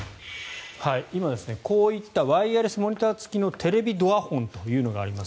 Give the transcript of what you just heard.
今、こういったワイヤレスモニター付きのテレビドアホンというのがあります。